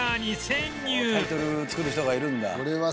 タイトル作る人がいるんだ。